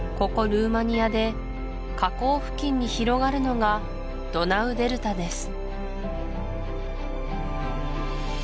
ルーマニアで河口付近に広がるのがドナウデルタです